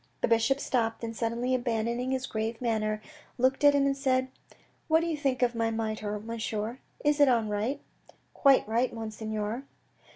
The bishop stopped, and suddenly abandoning his grave manner looked at him and said :" What do you think of my mitre, monsieur, is it on right ?"" Quite right, Monseigneur."